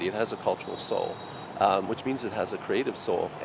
vì vậy các thành phố có thể tham gia vào cơ hội